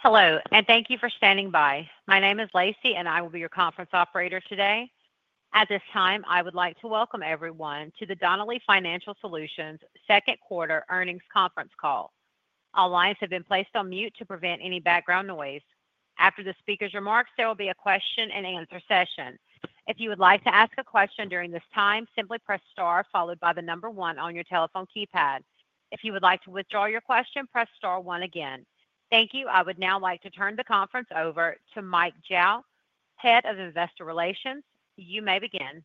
Hello, and thank you for standing by. My name is Lacey, and I will be your Conference Operator today. At this time, I would like to welcome everyone to the Donnelley Financial Solutions' second quarter earnings conference call. All lines have been placed on mute to prevent any background noise. After the speaker's remarks, there will be a question and answer session. If you would like to ask a question during this time, simply press star followed by the number one on your telephone keypad. If you would like to withdraw your question, press star one again. Thank you. I would now like to turn the conference over to Mike Zhao, Head of Investor Relations. You may begin.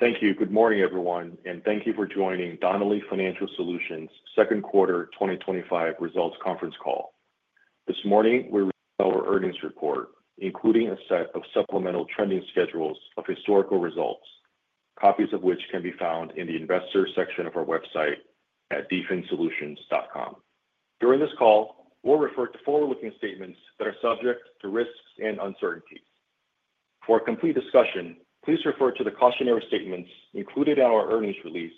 Thank you. Good morning, everyone, and thank you for joining Donnelley Financial Solutions' second quarter 2025 results conference call. This morning, we're with our earnings report, including a set of supplemental trending schedules of historical results, copies of which can be found in the investor section of our website at dfinsolutions.com. During this call, we'll refer to forward-looking statements that are subject to risks and uncertainty. For a complete discussion, please refer to the cautionary statements included in our earnings release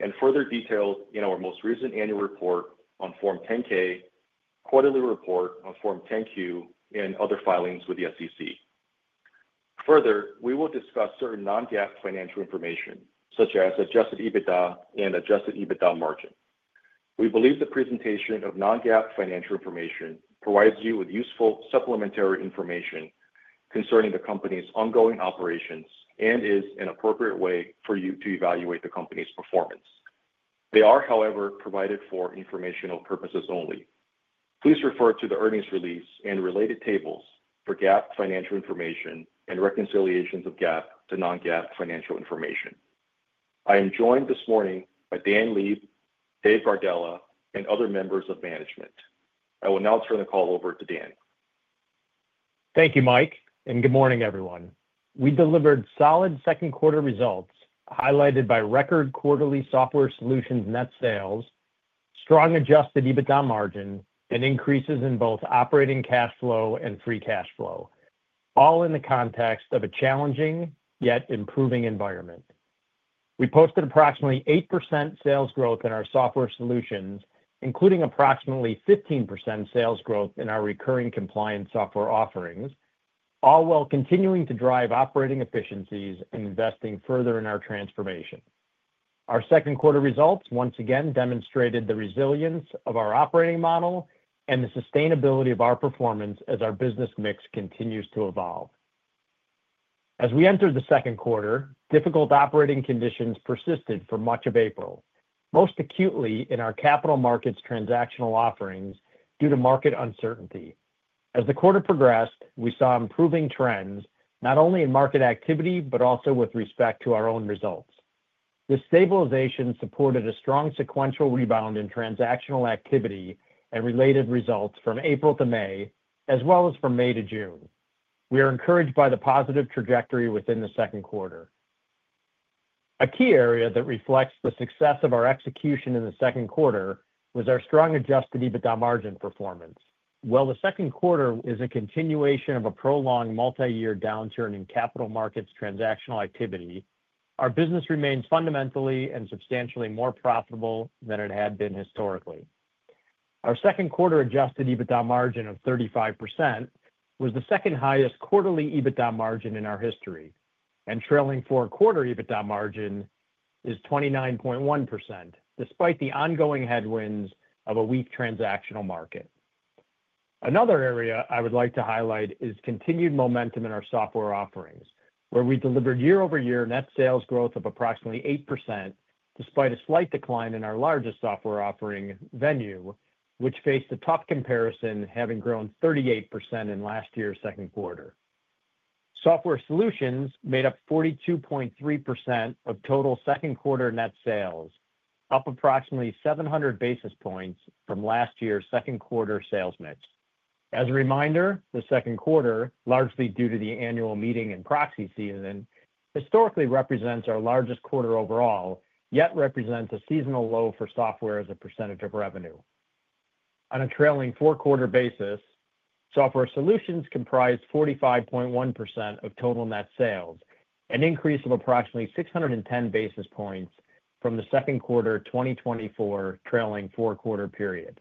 and further details in our most recent annual report on Form 10-K, quarterly report on Form 10-Q, and other filings with the SEC. Further, we will discuss certain non-GAAP financial information, such as adjusted EBITDA and adjusted EBITDA margin. We believe the presentation of non-GAAP financial information provides you with useful supplementary information concerning the company's ongoing operations and is an appropriate way for you to evaluate the company's performance. They are, however, provided for informational purposes only. Please refer to the earnings release and related tables for GAAP financial information and reconciliations of GAAP to non-GAAP financial information. I am joined this morning by Dan Leib, Dave Gardella, and other members of management. I will now turn the call over to Dan. Thank you, Mike, and good morning, everyone. We delivered solid second quarter results highlighted by record quarterly software solutions net sales, strong adjusted EBITDA margin, and increases in both operating cash flow and free cash flow, all in the context of a challenging yet improving environment. We posted approximately 8% sales growth in our software solutions, including approximately 15% sales growth in our recurring compliance software offerings, all while continuing to drive operating efficiencies and investing further in our transformation. Our second quarter results once again demonstrated the resilience of our operating model and the sustainability of our performance as our business mix continues to evolve. As we entered the second quarter, difficult operating conditions persisted for much of April, most acutely in our capital markets transactional offerings due to market uncertainty. As the quarter progressed, we saw improving trends not only in market activity but also with respect to our own results. This stabilization supported a strong sequential rebound in transactional activity and related results from April to May, as well as from May to June. We are encouraged by the positive trajectory within the second quarter. A key area that reflects the success of our execution in the second quarter was our strong adjusted EBITDA margin performance. While the second quarter is a continuation of a prolonged multi-year downturn in capital markets transactional activity, our business remains fundamentally and substantially more profitable than it had been historically. Our second quarter adjusted EBITDA margin of 35% was the second highest quarterly EBITDA margin in our history, and trailing four-quarter EBITDA margin is 29.1%, despite the ongoing headwinds of a weak transactional market. Another area I would like to highlight is continued momentum in our software offerings, where we delivered year-over-year net sales growth of approximately 8%, despite a slight decline in our largest software offering Venue, which faced a tough comparison, having grown 38% in last year's second quarter. Software solutions made up 42.3% of total second quarter net sales, up approximately 700 basis points from last year's second quarter sales mix. As a reminder, the second quarter, largely due to the annual meeting and proxy season, historically represents our largest quarter overall, yet represents a seasonal low for software as a percentage of revenue. On a trailing four-quarter basis, software solutions comprised 45.1% of total net sales, an increase of approximately 610 basis points from the second quarter 2024 trailing four-quarter period.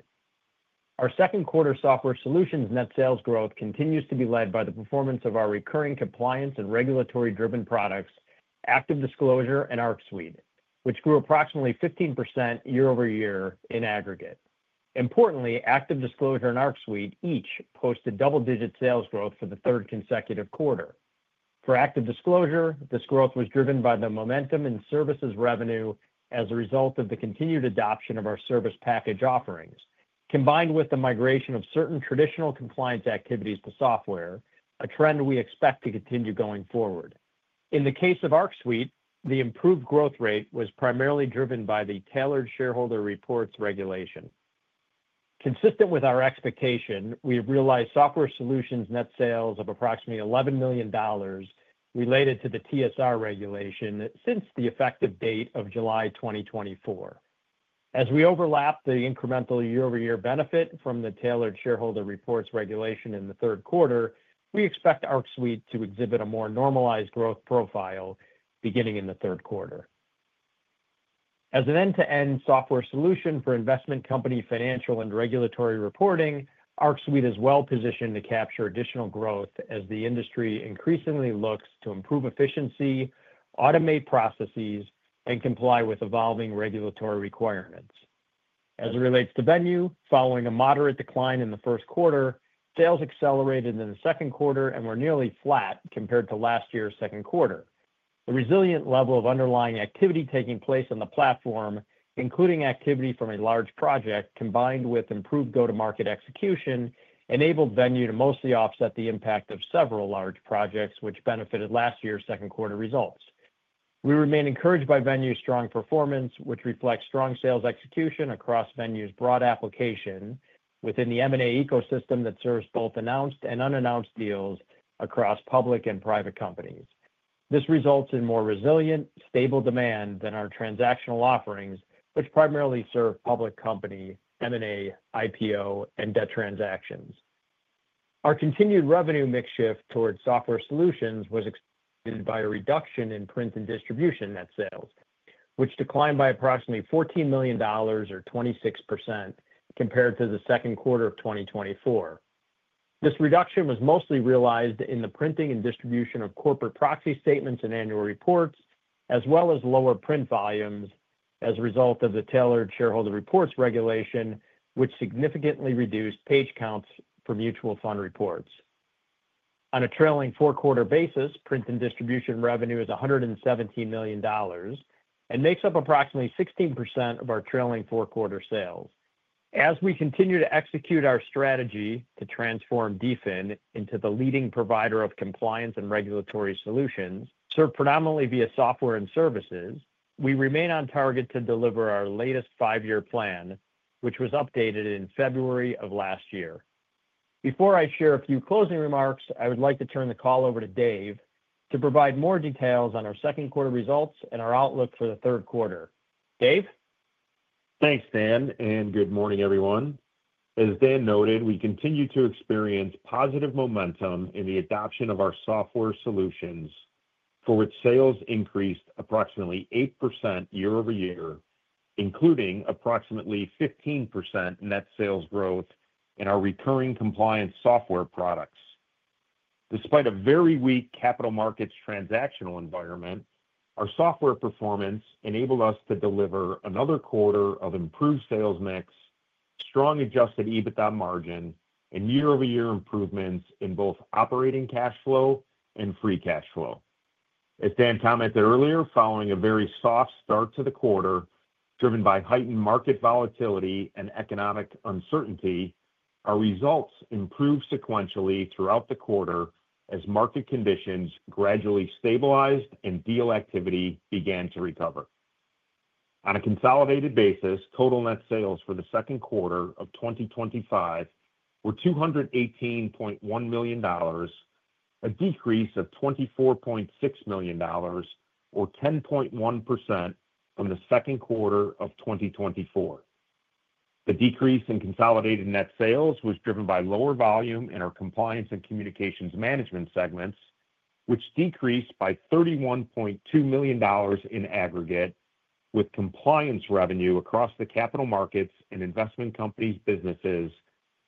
Our second quarter software solutions net sales growth continues to be led by the performance of our recurring compliance and regulatory-driven products, ActiveDisclosure and Arc Suite, which grew approximately 15% year-over-year in aggregate. Importantly, ActiveDisclosure and Arc Suite each posted double-digit sales growth for the third consecutive quarter. For ActiveDisclosure, this growth was driven by the momentum in services revenue as a result of the continued adoption of our service package offerings, combined with the migration of certain traditional compliance activities to software, a trend we expect to continue going forward. In the case of Arc Suite, the improved growth rate was primarily driven by the Tailored Shareholder Reports regulation. Consistent with our expectation, we have realized software solutions net sales of approximately $11 million related to the TSR regulation since the effective date of July 2024. As we overlap the incremental year-over-year benefit from the Tailored Shareholder Reports regulation in the third quarter, we expect Arc Suite to exhibit a more normalized growth profile beginning in the third quarter. As an end-to-end software solution for investment company financial and regulatory reporting, Arc Suite is well positioned to capture additional growth as the industry increasingly looks to improve efficiency, automate processes, and comply with evolving regulatory requirements. As it relates to Venue, following a moderate decline in the first quarter, sales accelerated in the second quarter and were nearly flat compared to last year's second quarter. The resilient level of underlying activity taking place on the platform, including activity from a large project, combined with improved go-to-market execution, enabled Venue to mostly offset the impact of several large projects, which benefited last year's second quarter results. We remain encouraged by Venue's strong performance, which reflects strong sales execution across Venue's broad application within the M&A ecosystem that serves both announced and unannounced deals across public and private companies. This results in more resilient, stable demand than our transactional offerings, which primarily serve public company, M&A, IPO, and debt transactions. Our continued revenue makeshift towards software solutions was expected by a reduction in print and distribution net sales, which declined by approximately $14 million or 26% compared to the second quarter of 2024. This reduction was mostly realized in the printing and distribution of corporate proxy statements and annual reports, as well as lower print volumes as a result of the Tailored Shareholder Reports regulation, which significantly reduced page counts for mutual fund reports. On a trailing four-quarter basis, print and distribution revenue is $117 million and makes up approximately 16% of our trailing four-quarter sales. As we continue to execute our strategy to transform Donnelley Financial Solutions into the leading provider of compliance and regulatory solutions, served predominantly via software and services, we remain on target to deliver our latest five-year plan, which was updated in February of last year. Before I share a few closing remarks, I would like to turn the call over to Dave to provide more details on our second quarter results and our outlook for the third quarter. Dave? Thanks, Dan, and good morning, everyone. As Dan noted, we continue to experience positive momentum in the adoption of our software solutions, for which sales increased approximately 8% year-over-year, including approximately 15% net sales growth in our recurring compliance software products. Despite a very weak capital markets transactional environment, our software performance enabled us to deliver another quarter of improved sales mix, strong adjusted EBITDA margin, and year-over-year improvements in both operating cash flow and free cash flow. As Dan commented earlier, following a very soft start to the quarter, driven by heightened market volatility and economic uncertainty, our results improved sequentially throughout the quarter as market conditions gradually stabilized and deal activity began to recover. On a consolidated basis, total net sales for the second quarter of 2025 were $218.1 million, a decrease of $24.6 million, or 10.1% from the second quarter of 2024. The decrease in consolidated net sales was driven by lower volume in our compliance and communications management segments, which decreased by $31.2 million in aggregate, with compliance revenue across the capital markets and investment companies' businesses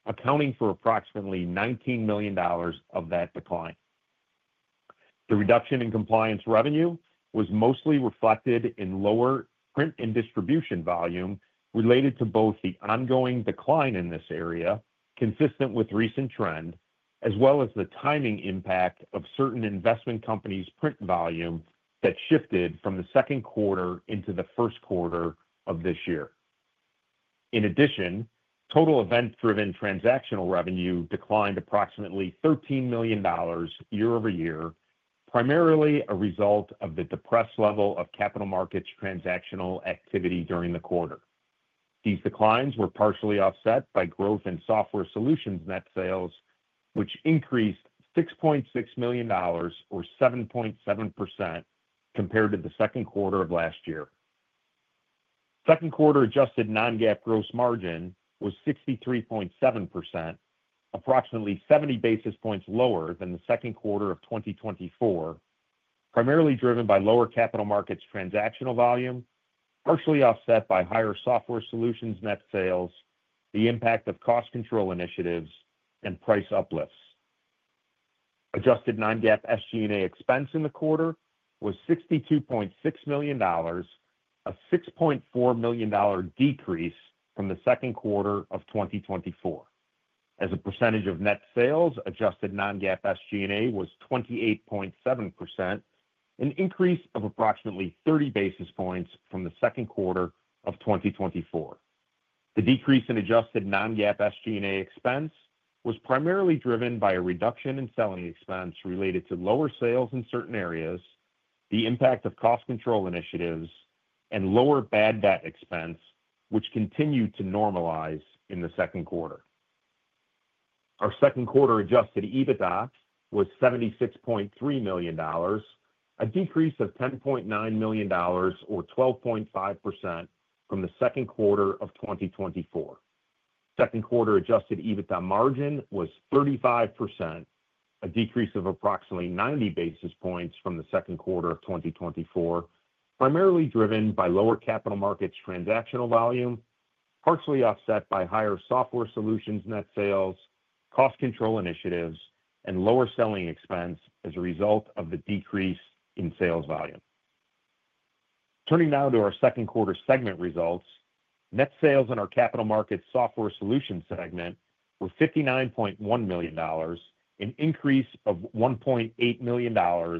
accounting for approximately $19 million of that decline. The reduction in compliance revenue was mostly reflected in lower print and distribution volume related to both the ongoing decline in this area, consistent with recent trend, as well as the timing impact of certain investment companies' print volume that shifted from the second quarter into the first quarter of this year. In addition, total event-driven transactional revenue declined approximately $13 million year-over-year, primarily a result of the depressed level of capital markets transactional activity during the quarter. These declines were partially offset by growth in software solutions net sales, which increased $6.6 million or 7.7% compared to the second quarter of last year. Second quarter adjusted non-GAAP gross margin was 63.7%, approximately 70 basis points lower than the second quarter of 2024, primarily driven by lower capital markets transactional volume, partially offset by higher software solutions net sales, the impact of cost control initiatives, and price uplifts. Adjusted non-GAAP SG&A expense in the quarter was $62.6 million, a $6.4 million decrease from the second quarter of 2024. As a percentage of net sales, adjusted non-GAAP SG&A was 28.7%, an increase of approximately 30 basis points from the second quarter of 2024. The decrease in adjusted non-GAAP SG&A expense was primarily driven by a reduction in selling expense related to lower sales in certain areas, the impact of cost control initiatives, and lower bad debt expense, which continued to normalize in the second quarter. Our second quarter adjusted EBITDA was $76.3 million, a decrease of $10.9 million or 12.5% from the second quarter of 2024. Second quarter adjusted EBITDA margin was 35%, a decrease of approximately 90 basis points from the second quarter of 2024, primarily driven by lower capital markets transactional volume, partially offset by higher software solutions net sales, cost control initiatives, and lower selling expense as a result of the decrease in sales volume. Turning now to our second quarter segment results, net sales in our capital markets software solutions segment were $59.1 million, an increase of $1.8 million or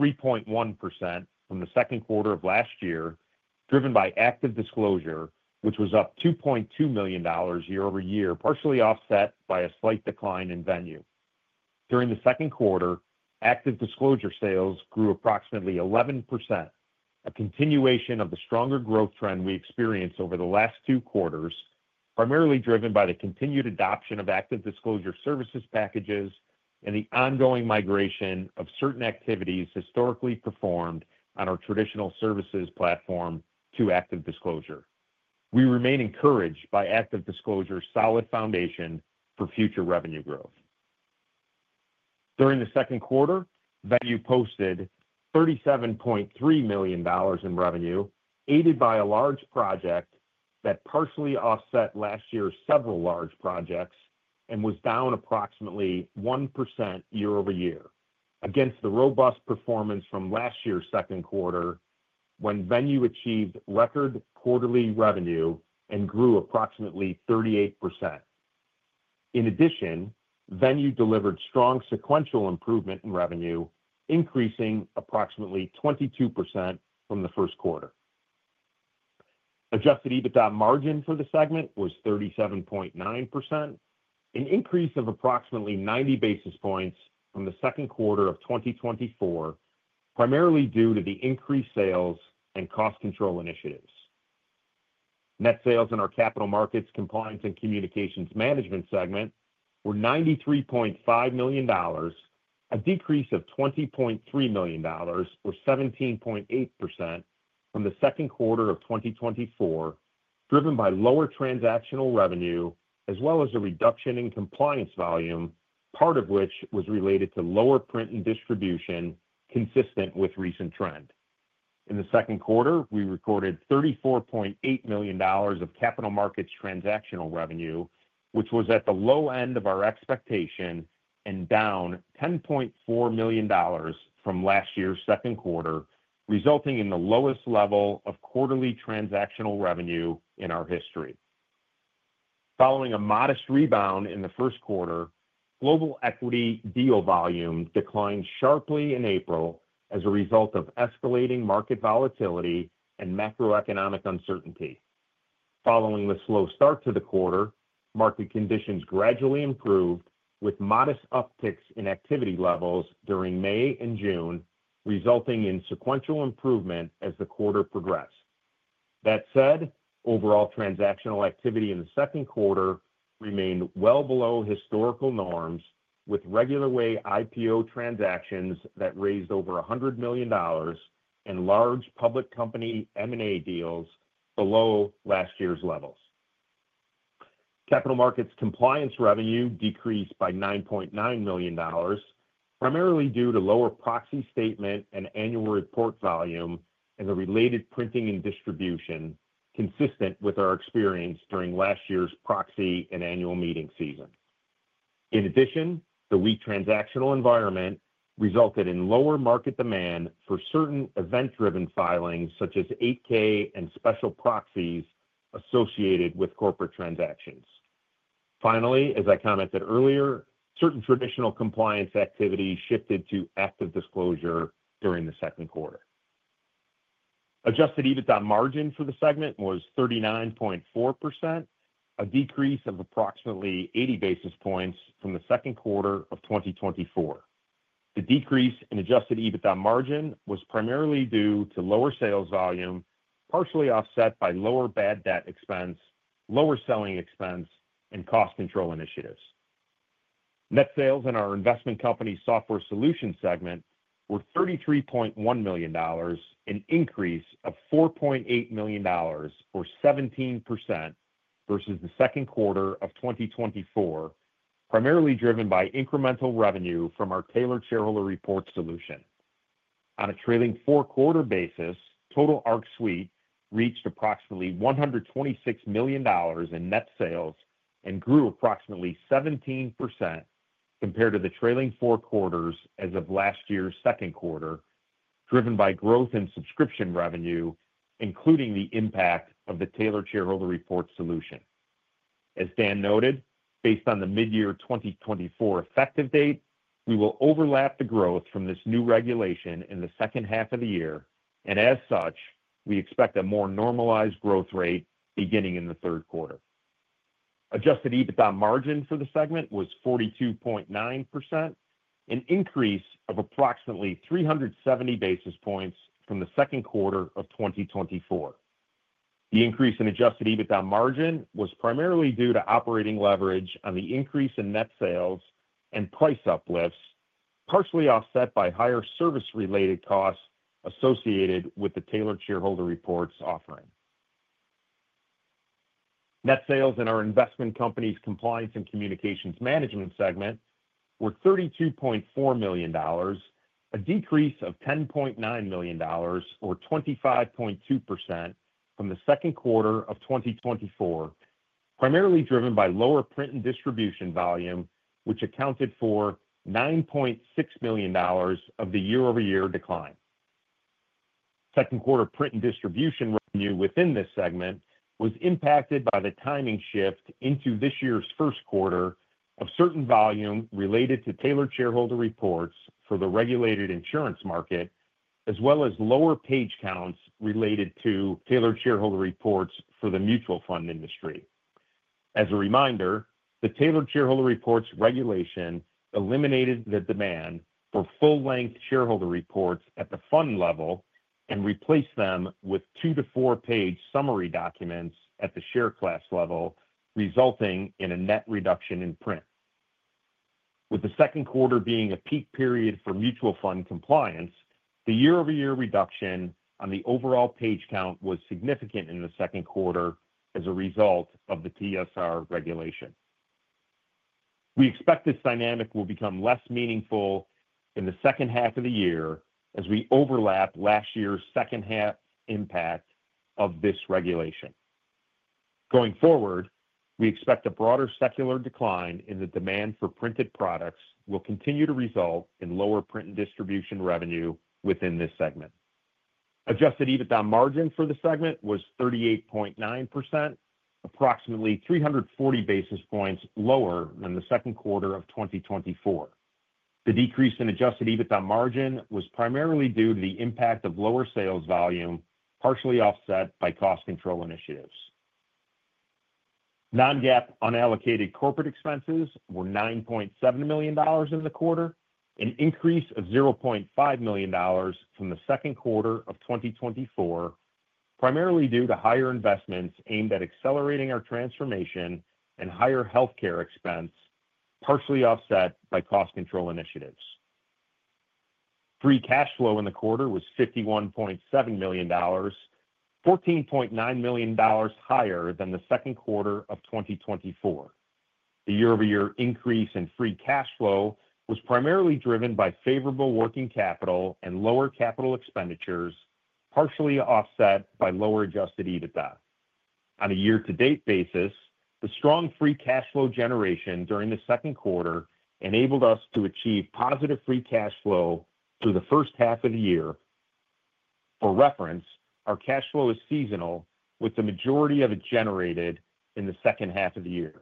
3.1% from the second quarter of last year, driven by ActiveDisclosure, which was up $2.2 million year-over-year, partially offset by a slight decline in Venue. During the second quarter, ActiveDisclosure sales grew approximately 11%, a continuation of the stronger growth trend we experienced over the last two quarters, primarily driven by the continued adoption of ActiveDisclosure services packages and the ongoing migration of certain activities historically performed on our traditional services platform to ActiveDisclosure. We remain encouraged by ActiveDisclosure's solid foundation for future revenue growth. During the second quarter, Venue posted $37.3 million in revenue, aided by a large project that partially offset last year's several large projects and was down approximately 1% year-over-year, against the robust performance from last year's second quarter when Venue achieved record quarterly revenue and grew approximately 38%. In addition, Venue delivered strong sequential improvement in revenue, increasing approximately 22% from the first quarter. Adjusted EBITDA margin for the segment was 37.9%, an increase of approximately 90 basis points from the second quarter of 2024, primarily due to the increased sales and cost control initiatives. Net sales in our Capital Markets Compliance and Communications Management segment were $93.5 million, a decrease of $20.3 million or 17.8% from the second quarter of 2024, driven by lower transactional revenue as well as a reduction in compliance volume, part of which was related to lower print and distribution, consistent with recent trend. In the second quarter, we recorded $34.8 million of capital markets transactional revenue, which was at the low end of our expectation and down $10.4 million from last year's second quarter, resulting in the lowest level of quarterly transactional revenue in our history. Following a modest rebound in the first quarter, global equity deal volume declined sharply in April as a result of escalating market volatility and macroeconomic uncertainty. Following the slow start to the quarter, market conditions gradually improved with modest upticks in activity levels during May and June, resulting in sequential improvement as the quarter progressed. That said, overall transactional activity in the second quarter remained well below historical norms, with regular way IPO transactions that raised over $100 million and large public company M&A deals below last year's levels. Capital markets compliance revenue decreased by $9.9 million, primarily due to lower proxy statement and annual report volume and the related printing and distribution, consistent with our experience during last year's proxy and annual meeting season. In addition, the weak transactional environment resulted in lower market demand for certain event-driven filings, such as 8-K and special proxies associated with corporate transactions. Finally, as I commented earlier, certain traditional compliance activity shifted to ActiveDisclosure during the second quarter. Adjusted EBITDA margin for the segment was 39.4%, a decrease of approximately 80 basis points from the second quarter of 2024. The decrease in adjusted EBITDA margin was primarily due to lower sales volume, partially offset by lower bad debt expense, lower selling expense, and cost control initiatives. Net sales in our Investment Company Software Solutions segment were $33.1 million, an increase of $4.8 million or 17% versus the second quarter of 2024, primarily driven by incremental revenue from our Tailored Shareholder Report solution. On a trailing four-quarter basis, total Arc Suite reached approximately $126 million in net sales and grew approximately 17% compared to the trailing four quarters as of last year's second quarter, driven by growth in subscription revenue, including the impact of the Tailored Shareholder Report solution. As Dan noted, based on the mid-year 2024 effective date, we will overlap the growth from this new regulation in the second half of the year, and as such, we expect a more normalized growth rate beginning in the third quarter. Adjusted EBITDA margin for the segment was 42.9%, an increase of approximately 370 basis points from the second quarter of 2024. The increase in adjusted EBITDA margin was primarily due to operating leverage on the increase in net sales and price uplifts, partially offset by higher service-related costs associated with the Tailored Shareholder Reports offering. Net sales in our investment company's compliance and communications management segment were $32.4 million, a decrease of $10.9 million or 25.2% from the second quarter of 2024, primarily driven by lower print and distribution volume, which accounted for $9.6 million of the year-over-year decline. Second quarter print and distribution revenue within this segment was impacted by the timing shift into this year's first quarter of certain volume related to Tailored Shareholder Reports for the regulated insurance market, as well as lower page counts related to Tailored Shareholder Reports for the mutual fund industry. As a reminder, the Tailored Shareholder Reports regulation eliminated the demand for full-length shareholder reports at the fund level and replaced them with two to four-page summary documents at the share class level, resulting in a net reduction in print. With the second quarter being a peak period for mutual fund compliance, the year-over-year reduction on the overall page count was significant in the second quarter as a result of the TSR regulation. We expect this dynamic will become less meaningful in the second half of the year as we overlap last year's second half impact of this regulation. Going forward, we expect a broader secular decline in the demand for printed products will continue to result in lower print and distribution revenue within this segment. Adjusted EBITDA margin for the segment was 38.9%, approximately 340 basis points lower than the second quarter of 2024. The decrease in adjusted EBITDA margin was primarily due to the impact of lower sales volume, partially offset by cost control initiatives. Non-GAAP unallocated corporate expenses were $9.7 million in the quarter, an increase of $0.5 million from the second quarter of 2024, primarily due to higher investments aimed at accelerating our transformation and higher healthcare expense, partially offset by cost control initiatives. Free cash flow in the quarter was $51.7 million, $14.9 million higher than the second quarter of 2024. The year-over-year increase in free cash flow was primarily driven by favorable working capital and lower capital expenditures, partially offset by lower adjusted EBITDA. On a year-to-date basis, the strong free cash flow generation during the second quarter enabled us to achieve positive free cash flow through the first half of the year. For reference, our cash flow is seasonal, with the majority of it generated in the second half of the year.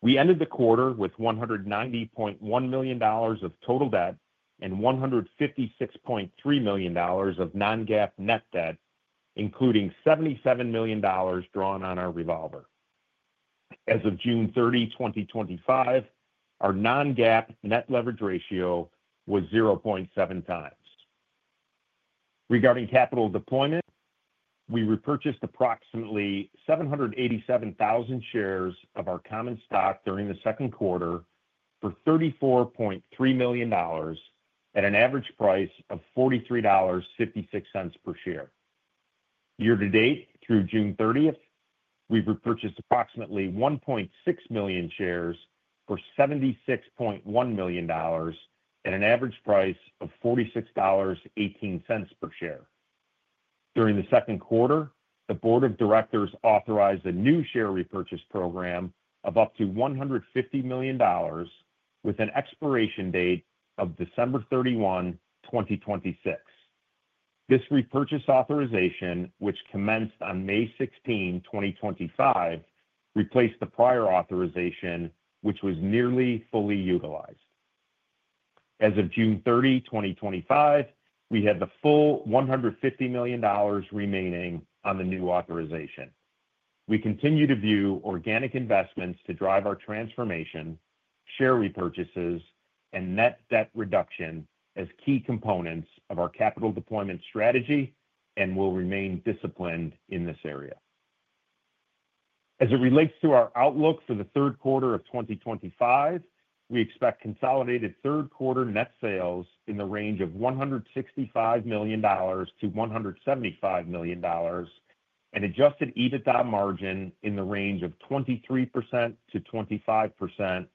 We ended the quarter with $190.1 million of total debt and $156.3 million of non-GAAP net debt, including $77 million drawn on our revolver. As of June 30, 2025, our non-GAAP net leverage ratio was 0.7 times. Regarding capital deployment, we repurchased approximately 787,000 shares of our common stock during the second quarter for $34.3 million at an average price of $43.56 per share. Year to date, through June 30th, we've repurchased approximately 1.6 million shares for $76.1 million at an average price of $46.18 per share. During the second quarter, the Board of Directors authorized a new share repurchase program of up to $150 million, with an expiration date of December 31, 2026. This repurchase authorization, which commenced on May 16, 2025, replaced the prior authorization, which was nearly fully utilized. As of June 30, 2025, we had the full $150 million remaining on the new authorization. We continue to view organic investments to drive our transformation, share repurchases, and net debt reduction as key components of our capital deployment strategy and will remain disciplined in this area. As it relates to our outlook for the third quarter of 2025, we expect consolidated third-quarter net sales in the range of $165 million to $175 million and adjusted EBITDA margin in the range of 23%-25%,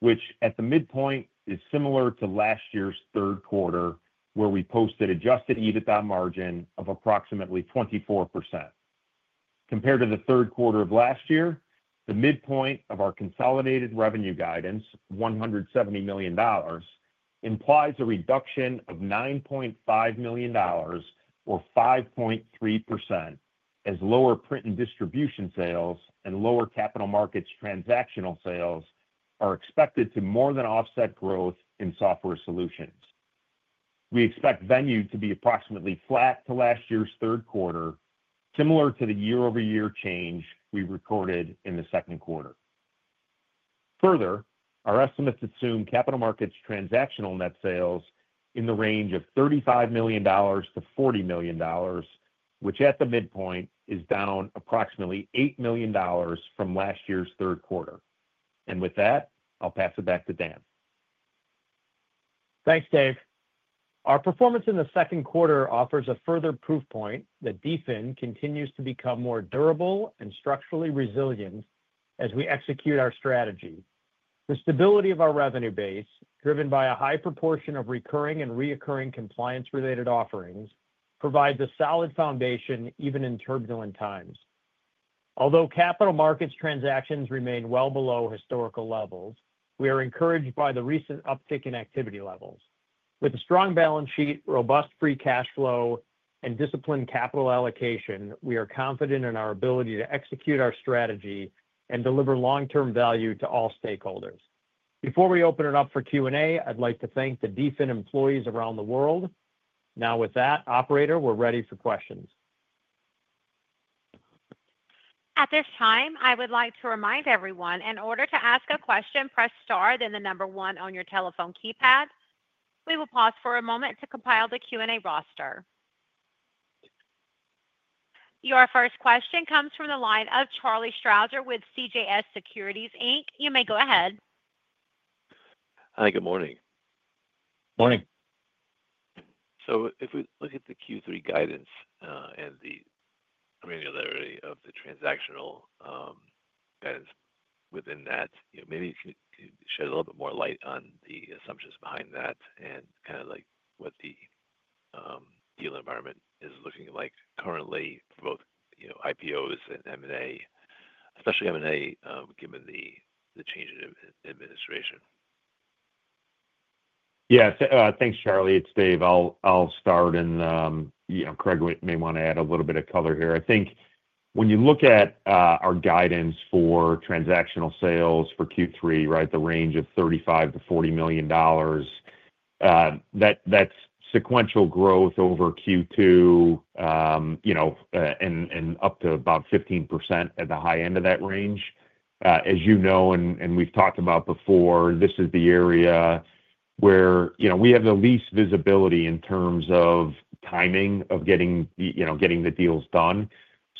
which at the midpoint is similar to last year's third quarter, where we posted adjusted EBITDA margin of approximately 24%. Compared to the third quarter of last year, the midpoint of our consolidated revenue guidance, $170 million, implies a reduction of $9.5 million or 5.3%, as lower print and distribution sales and lower capital markets transactional sales are expected to more than offset growth in software solutions. We expect Venue to be approximately flat to last year's third quarter, similar to the year-over-year change we recorded in the second quarter. Further, our estimates assume capital markets transactional net sales in the range of $35 million-$40 million, which at the midpoint is down approximately $8 million from last year's third quarter. With that, I'll pass it back to Dan. Thanks, Dave. Our performance in the second quarter offers a further proof point that DFIN continues to become more durable and structurally resilient as we execute our strategy. The stability of our revenue base, driven by a high proportion of recurring and reoccurring compliance-related offerings, provides a solid foundation even in turbulent times. Although capital markets transactions remain well below historical levels, we are encouraged by the recent uptick in activity levels. With a strong balance sheet, robust free cash flow, and disciplined capital allocation, we are confident in our ability to execute our strategy and deliver long-term value to all stakeholders. Before we open it up for Q&A, I'd like to thank the DFIN employees around the world. Now, with that, operator, we're ready for questions. At this time, I would like to remind everyone, in order to ask a question, press star then the number one on your telephone keypad. We will pause for a moment to compile the Q&A roster. Your first question comes from the line of Charles Strauzer with CJS Securities Inc. You may go ahead. Hi, good morning. Morning. If we look at the Q3 guidance and the familiarity of the transactional guidance within that, maybe you can shed a little bit more light on the assumptions behind that and kind of like what the deal environment is looking like currently for both IPOs and M&A, especially M&A, given the changes in administration. Yeah, thanks, Charlie. It's Dave. I'll start, and Craig may want to add a little bit of color here. I think when you look at our guidance for transactional sales for Q3, the range of $35-$40 million, that's sequential growth over Q2 and up to about 15% at the high end of that range. As you know, and we've talked about before, this is the area where we have the least visibility in terms of timing of getting the deals done.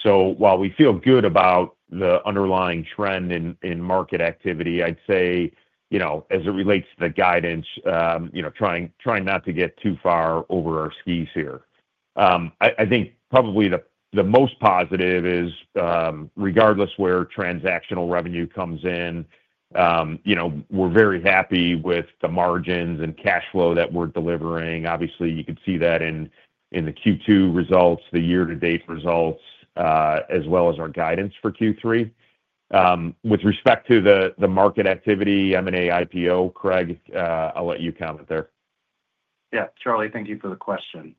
While we feel good about the underlying trend in market activity, I'd say as it relates to the guidance, trying not to get too far over our skis here. I think probably the most positive is, regardless of where transactional revenue comes in, we're very happy with the margins and cash flow that we're delivering. Obviously, you could see that in the Q2 results, the year-to-date results, as well as our guidance for Q3. With respect to the market activity, M&A, IPO, Craig, I'll let you comment there. Yeah, Charlie, thank you for the question.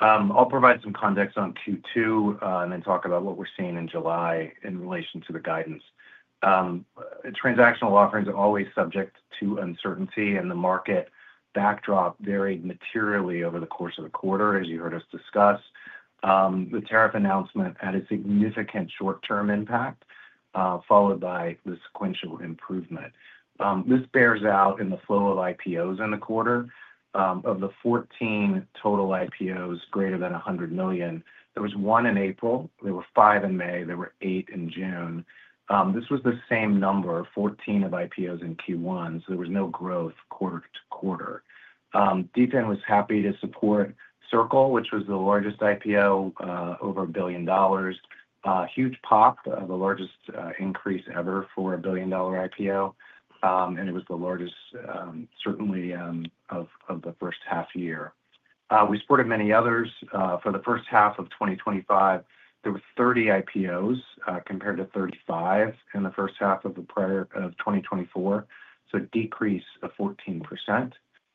I'll provide some context on Q2 and then talk about what we're seeing in July in relation to the guidance. Transactional offerings are always subject to uncertainty, and the market backdrop varied materially over the course of the quarter, as you heard us discuss. The tariff announcement had a significant short-term impact, followed by the sequential improvement. This bears out in the flow of IPOs in the quarter. Of the 14 total IPOs greater than $100 million, there was one in April, there were five in May, there were eight in June. This was the same number, 14 IPOs in Q1, so there was no growth quarter-to-quarter. DFIN was happy to support Circle, which was the largest IPO, over $1 billion. A huge pop, the largest increase ever for a billion-dollar IPO, and it was the largest, certainly, of the first half year. We supported many others. For the first half of 2024, there were 30 IPOs compared to 35 in the first half of the prior year, so a decrease of 14%.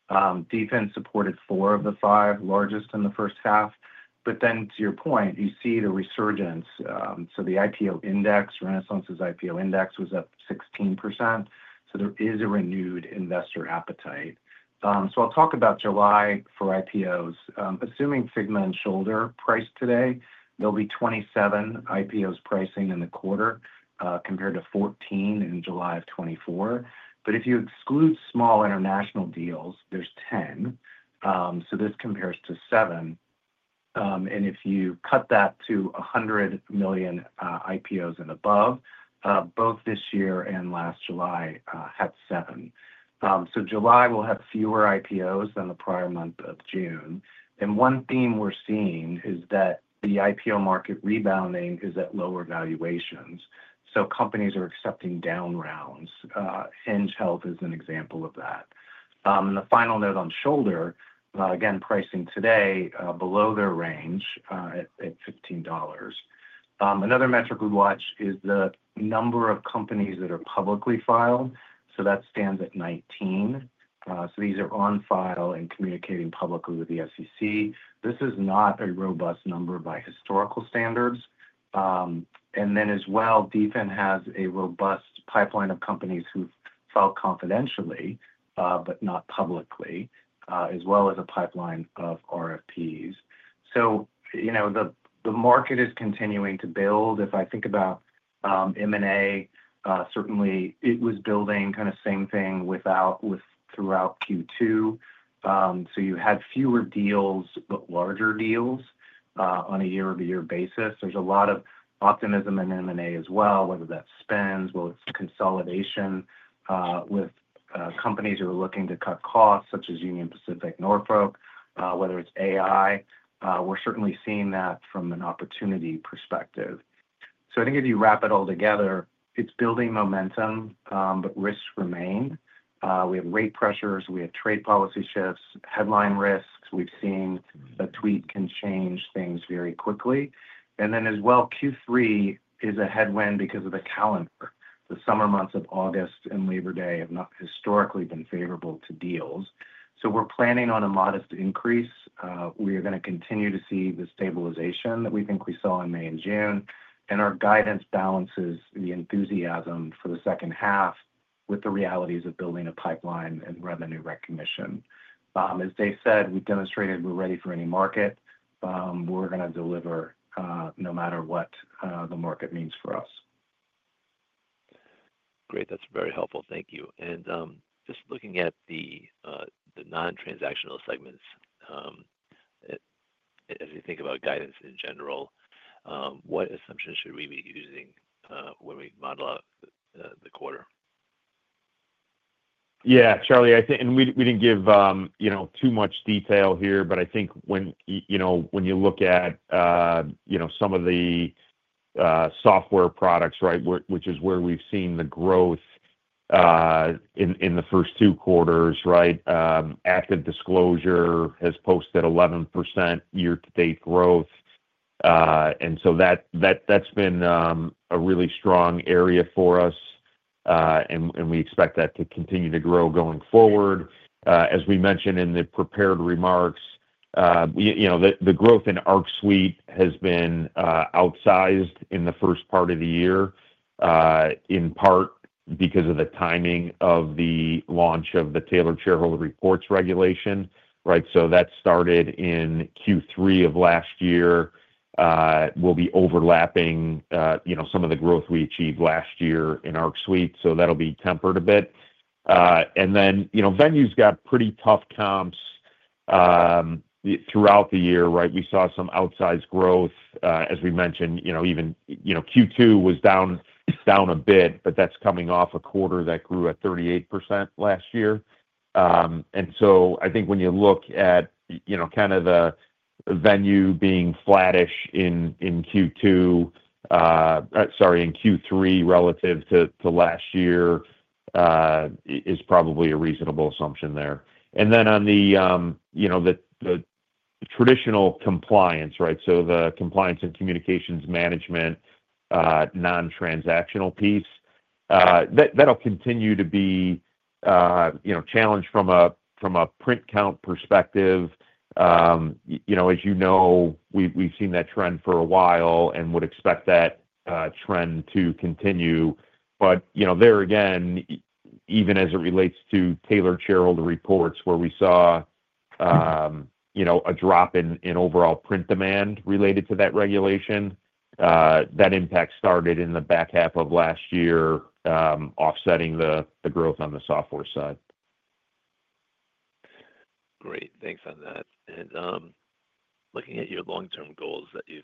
DFIN supported four of the five largest in the first half. To your point, you see the resurgence. The IPO index, Renaissance's IPO index, was up 16%, so there is a renewed investor appetite. I'll talk about July for IPOs. Assuming Figma and Shoulder price today, there will be 27 IPOs pricing in the quarter compared to 14 in July of 2023. If you exclude small international deals, there's 10, so this compares to seven. If you cut that to $100 million IPOs and above, both this year and last July had seven. July will have fewer IPOs than the prior month of June. One theme we're seeing is that the IPO market rebounding is at lower valuations. Companies are accepting down rounds. Hinge Health is an example of that. The final note on Shoulder, again, pricing today below their range at $15. Another metric we watch is the number of companies that are publicly filed, so that stands at 19. These are on file and communicating publicly with the SEC. This is not a robust number by historical standards. DFIN has a robust pipeline of companies who've filed confidentially, but not publicly, as well as a pipeline of RFPs. The market is continuing to build. If I think about M&A, certainly, it was building kind of the same thing throughout Q2. You had fewer deals, but larger deals on a year-over-year basis. There's a lot of optimism in M&A as well, whether that's spend, whether it's consolidation with companies who are looking to cut costs, such as Union Pacific, Norfolk, whether it's AI. We're certainly seeing that from an opportunity perspective. I think if you wrap it all together, it's building momentum, but risks remain. We have rate pressures, we have trade policy shifts, headline risks. We've seen a tweak can change things very quickly. Q3 is a headwind because of the calendar. The summer months of August and Labor Day have not historically been favorable to deals. We're planning on a modest increase. We are going to continue to see the stabilization that we think we saw in May and June, and our guidance balances the enthusiasm for the second half with the realities of building a pipeline and revenue recognition. As Dave said, we've demonstrated we're ready for any market. We're going to deliver no matter what the market needs for us. Great, that's very helpful. Thank you. Just looking at the non-transactional segments, as we think about guidance in general, what assumptions should we be using when we model out the quarter? Yeah, Charlie, I think, and we didn't give too much detail here, but I think when you look at some of the software products, right, which is where we've seen the growth in the first two quarters, right, ActiveDisclosure has posted 11% year-to-date growth. That's been a really strong area for us, and we expect that to continue to grow going forward. As we mentioned in the prepared remarks, the growth in Arc Suite has been outsized in the first part of the year, in part because of the timing of the launch of the Tailored Shareholder Reports regulation, right? That started in Q3 of last year, will be overlapping some of the growth we achieved last year in Arc Suite, so that'll be tempered a bit. Venue's got pretty tough comps throughout the year, right? We saw some outsized growth. As we mentioned, even Q2 was down a bit, but that's coming off a quarter that grew at 38% last year. I think when you look at kind of the Venue being flattish in Q3 relative to last year, it's probably a reasonable assumption there. On the traditional compliance, right, so the compliance and communications management non-transactional piece, that'll continue to be challenged from a print count perspective. As you know, we've seen that trend for a while and would expect that trend to continue. There again, even as it relates to Tailored Shareholder Reports where we saw a drop in overall print demand related to that regulation, that impact started in the back half of last year, offsetting the growth on the software side. Great, thanks on that. Looking at your long-term goals that you've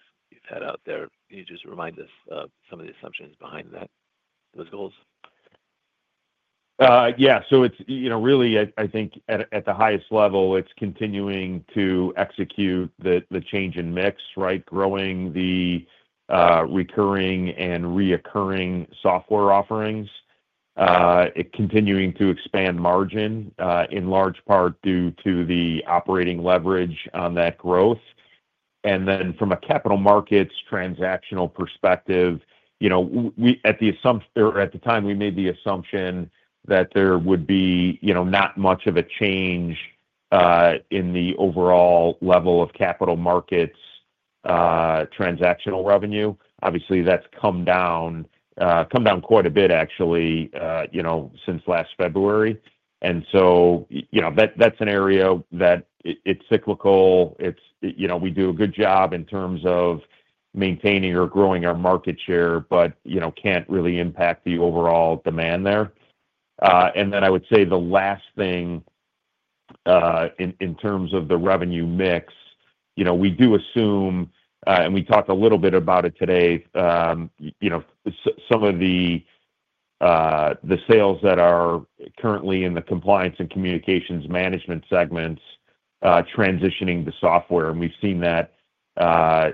had out there, can you just remind us of some of the assumptions behind those goals? Yeah, so it's, you know, really, I think at the highest level, it's continuing to execute the change in mix, right? Growing the recurring and reoccurring software offerings, continuing to expand margin, in large part due to the operating leverage on that growth. From a capital markets transactional perspective, we, at the time, made the assumption that there would be not much of a change in the overall level of capital markets transactional revenue. Obviously, that's come down, come down quite a bit, actually, since last February. That's an area that is cyclical. We do a good job in terms of maintaining or growing our market share, but can't really impact the overall demand there. I would say the last thing in terms of the revenue mix, we do assume, and we talked a little bit about it today, some of the sales that are currently in the compliance and communications management segments transitioning to software. We've seen that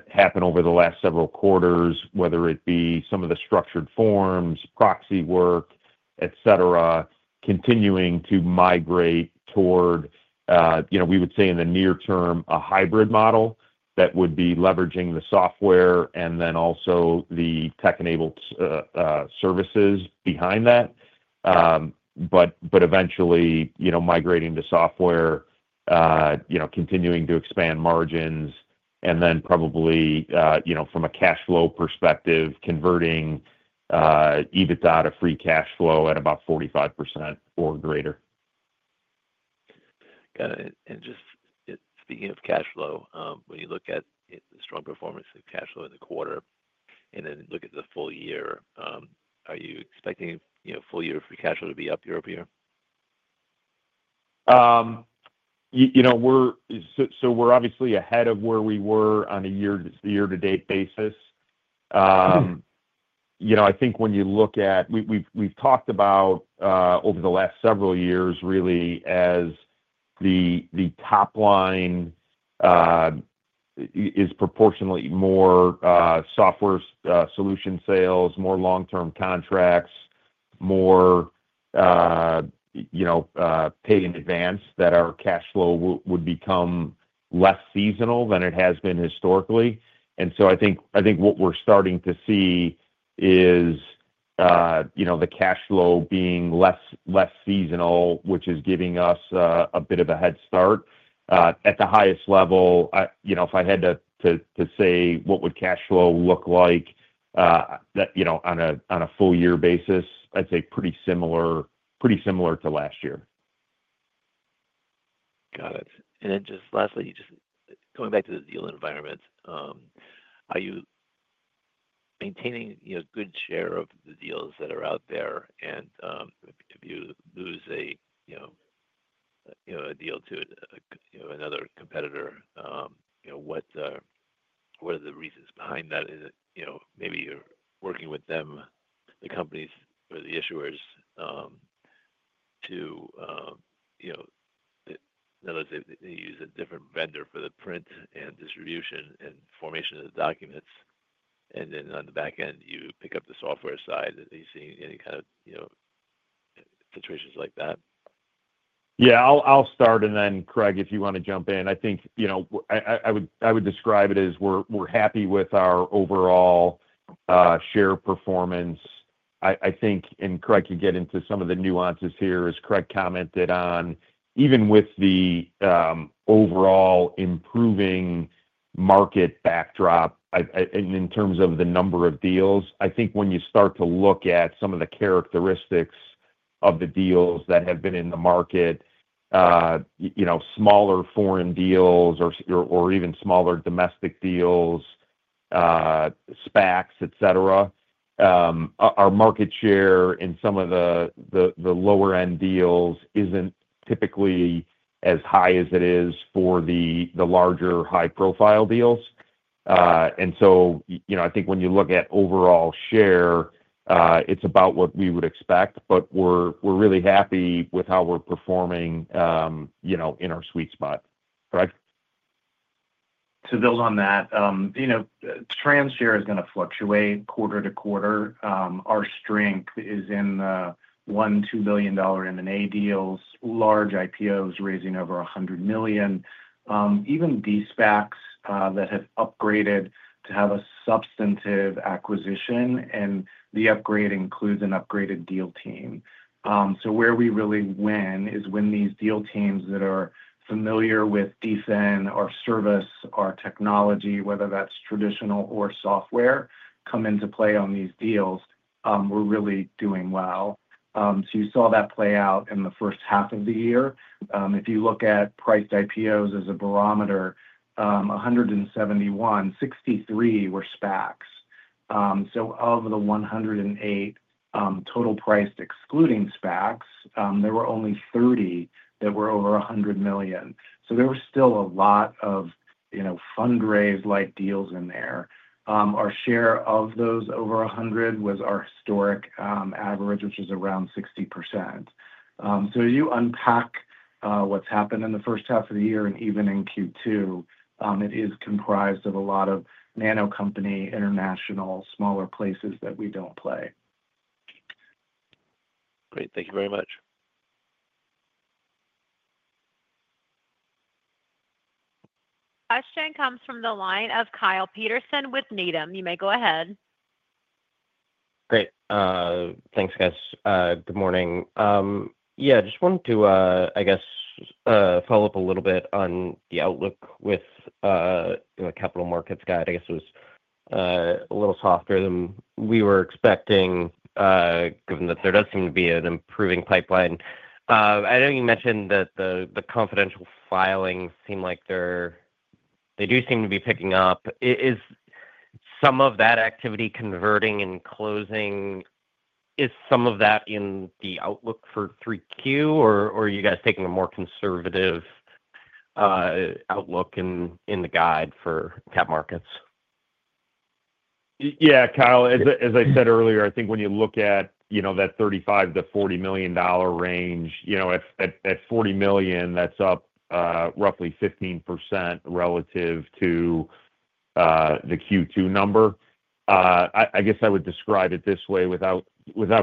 happen over the last several quarters, whether it be some of the structured forms, proxy work, etc., continuing to migrate toward, we would say in the near term, a hybrid model that would be leveraging the software and also the tech-enabled services behind that. Eventually, migrating to software, continuing to expand margins, and then probably, from a cash flow perspective, converting EBITDA to free cash flow at about 45% or greater. Got it. Just speaking of cash flow, when you look at the strong performance of cash flow in the quarter and then look at the full year, are you expecting full year for cash flow to be up year over year? We're obviously ahead of where we were on a year-to-date basis. I think when you look at, we've talked about over the last several years, really, as the top line is proportionately more software solution sales, more long-term contracts, more paid in advance, that our cash flow would become less seasonal than it has been historically. I think what we're starting to see is the cash flow being less seasonal, which is giving us a bit of a head start. At the highest level, if I had to say what would cash flow look like on a full-year basis, I'd say pretty similar to last year. Got it. Lastly, just going back to the deal environment, are you maintaining good share of the deals that are out there? If you lose a deal to another competitor, what are the reasons behind that? Is it maybe you're working with them, the companies or the issuers, to, let's say they use a different vendor for the print and distribution and formation of the documents, and then on the back end, you pick up the software side. Are you seeing any kind of situations like that? Yeah, I'll start. Craig, if you want to jump in, I think I would describe it as we're happy with our overall share performance. I think, and Craig, you get into some of the nuances here, as Craig commented on, even with the overall improving market backdrop, in terms of the number of deals, I think when you start to look at some of the characteristics of the deals that have been in the market, smaller foreign deals or even smaller domestic deals, SPACs, etc., our market share in some of the lower-end deals isn't typically as high as it is for the larger high-profile deals. I think when you look at overall share, it's about what we would expect, but we're really happy with how we're performing in our sweet spot, correct? To build on that, you know, Transhare is going to fluctuate quarter-to-quarter. Our strength is in the $1-2 billion M&A deals, large IPOs raising over $100 million, even de-SPACs that have upgraded to have a substantive acquisition, and the upgrade includes an upgraded deal team. Where we really win is when these deal teams that are familiar with DFIN, our service, our technology, whether that's traditional or software, come into play on these deals. We're really doing well. You saw that play out in the first half of the year. If you look at priced IPOs as a barometer, 171, 63 were SPACs. Of the 108 total priced excluding SPACs, there were only 30 that were over $100 million. There were still a lot of, you know, fundraise-like deals in there. Our share of those over $100 million was our historic average, which was around 60%. As you unpack what's happened in the first half of the year and even in Q2, it is comprised of a lot of nano company, international, smaller places that we don't play. Great, thank you very much. Question comes from the line of Kyle Peterson with Needham. You may go ahead. Thanks, guys. Good morning. I just wanted to follow up a little bit on the outlook with the capital markets guide. It was a little softer than we were expecting, given that there does seem to be an improving pipeline. I know you mentioned that the confidential filing seemed like they do seem to be picking up. Is some of that activity converting and closing, is some of that in the outlook for 3Q, or are you guys taking a more conservative outlook in the guide for capital markets? Yeah, Kyle, as I said earlier, I think when you look at that $35-$40 million range, at $40 million, that's up roughly 15% relative to the Q2 number. I would describe it this way without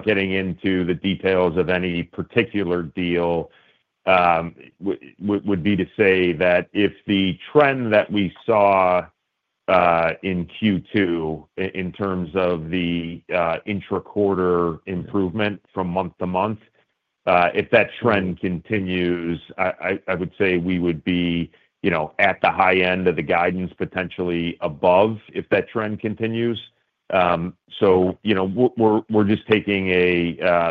getting into the details of any particular deal, to say that if the trend that we saw in Q2 in terms of the intra-quarter improvement from month to month, if that trend continues, I would say we would be at the high end of the guidance, potentially above if that trend continues. We're just taking a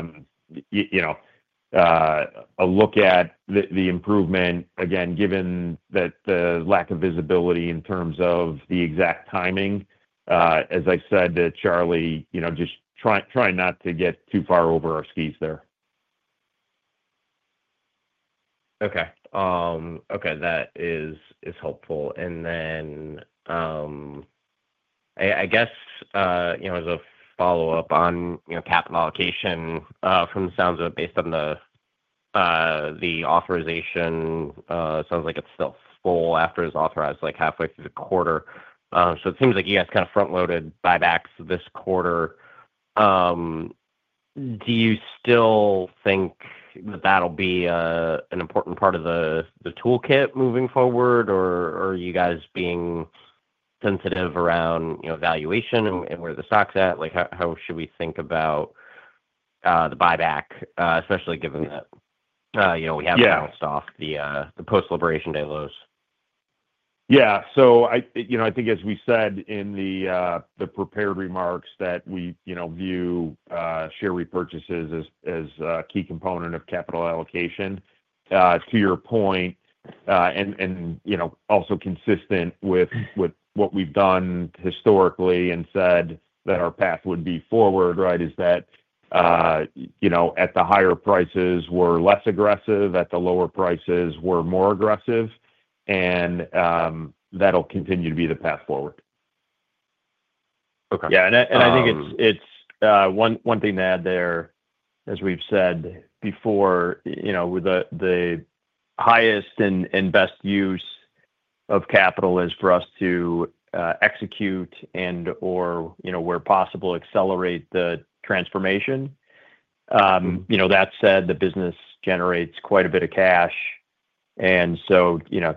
look at the improvement, again, given the lack of visibility in terms of the exact timing. As I said to Charlie, just trying not to get too far over our skis there. Okay, that is helpful. I guess, as a follow-up on capital allocation, from the sounds of it, based on the authorization, it sounds like it's still full after it's authorized, like halfway through the quarter. It seems like you guys kind of front-loaded buybacks this quarter. Do you still think that that'll be an important part of the toolkit moving forward, or are you guys being sensitive around valuation and where the stock's at? How should we think about the buyback, especially given that we haven't bounced off the post-liberation day lows? Yeah, I think as we said in the prepared remarks, we view share repurchases as a key component of capital allocation. To your point, and also consistent with what we've done historically and said that our path would be forward, right, is that at the higher prices, we're less aggressive, at the lower prices, we're more aggressive. That'll continue to be the path forward. Okay. Yeah, and I think it's one thing to add there, as we've said before, the highest and best use of capital is for us to execute and/or, where possible, accelerate the transformation. That said, the business generates quite a bit of cash.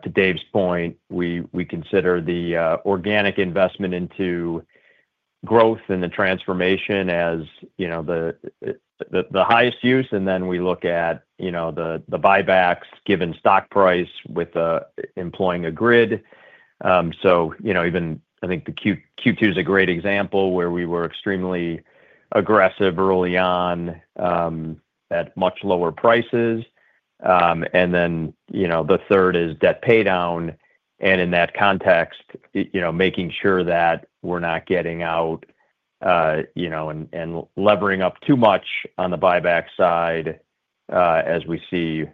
To Dave's point, we consider the organic investment into growth and the transformation as the highest use. Then we look at the buybacks given stock price with employing a grid. I think Q2 is a great example where we were extremely aggressive early on at much lower prices. The third is debt paydown. In that context, making sure that we're not getting out and levering up too much on the buyback side as we see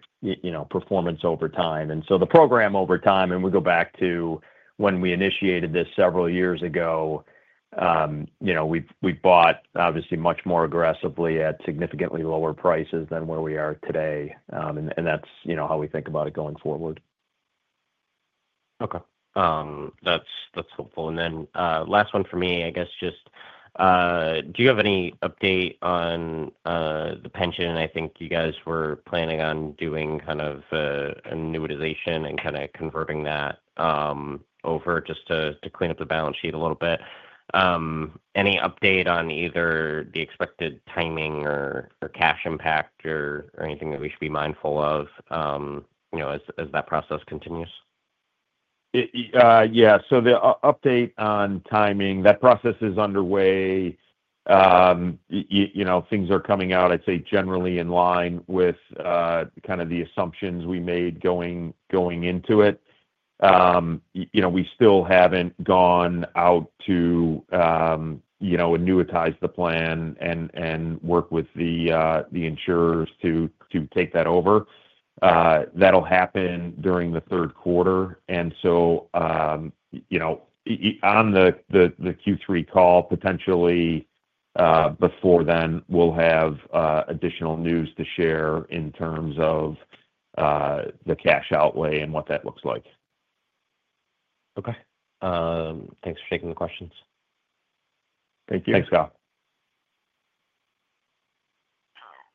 performance over time. The program over time, and we go back to when we initiated this several years ago, we've bought obviously much more aggressively at significantly lower prices than where we are today. That's how we think about it going forward. Okay. That's helpful. Last one for me, I guess, just do you have any update on the pension? I think you guys were planning on doing kind of a new annuitization and kind of converting that over just to clean up the balance sheet a little bit. Any update on either the expected timing or cash impact or anything that we should be mindful of as that process continues? Yeah, the update on timing, that process is underway. Things are coming out, I'd say, generally in line with kind of the assumptions we made going into it. We still haven't gone out to annuitize the plan and work with the insurers to take that over. That'll happen during the third quarter. On the Q3 call, potentially before then, we'll have additional news to share in terms of the cash outlay and what that looks like. Okay, thanks for taking the questions. Thank you. Thanks, Kyle.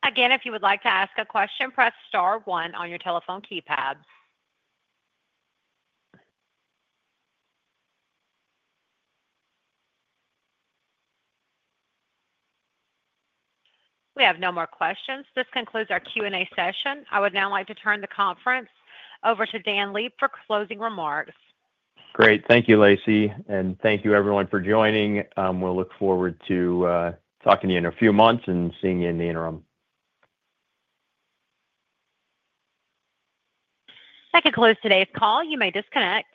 Again, if you would like to ask a question, press star one on your telephone keypad. We have no more questions. This concludes our Q&A session. I would now like to turn the conference over to Dan Leib for closing remarks. Great. Thank you, Lacey, and thank you, everyone, for joining. We'll look forward to talking to you in a few months and seeing you in the interim. That concludes today's call. You may disconnect.